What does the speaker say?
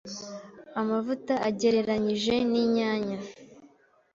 amavuta agereranyije n’inyanya